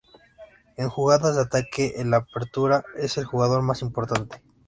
En jugadas de ataque el apertura es el jugador más importante.